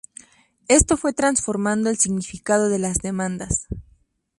Esto fue transformando el significado de las demandas.